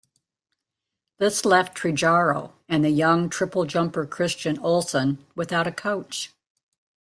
This left Tregaro and the young triple jumper Christian Olsson without a coach.